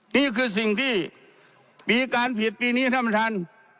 นี่คือสิ่งที่ปีการผิดปีนี้ทำทัน